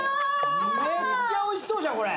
めっちゃおいしそうじゃん、これ。